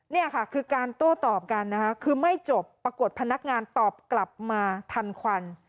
นี่ค่ะคือการโต้ตอบกันนะคะคือไม่จบปรากฏพนักงานตอบกลับมาทันควัน